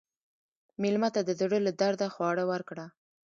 مېلمه ته د زړه له درده خواړه ورکړه.